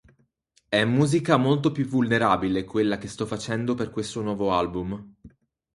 È musica molto più vulnerabile quella che sto facendo per questo nuovo album.